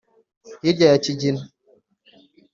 hirya ya kigina